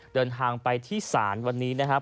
เดินทางไปที่ศาลวันนี้นะครับ